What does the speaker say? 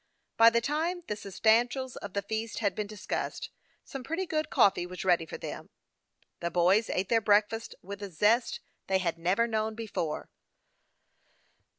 By the time the substantiate of the feast had been discussed, some pretty good coffee was ready for them. The boys ate their breakfast with a zest they had never known before.